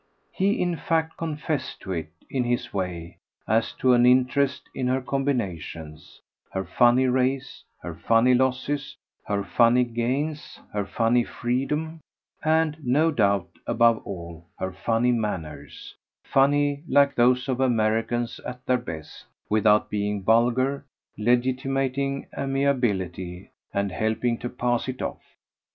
He in fact confessed to it, in his way, as to an interest in her combinations, her funny race, her funny losses, her funny gains, her funny freedom, and, no doubt, above all, her funny manners funny, like those of Americans at their best, without being vulgar, legitimating amiability and helping to pass it off.